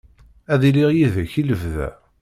Ad iliɣ yid-k i lebda.